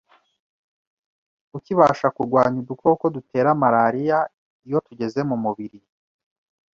ukibasha kurwanya udukoko dutera malaria iyo tugeze mu mubiri.